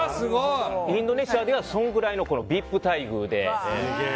インドネシアではそのぐらいのＶＩＰ待遇で。